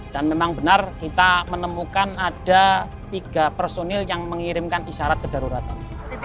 dan memang benar kita menemukan ada tiga personil yang mengirimkan isyarat kedaruratan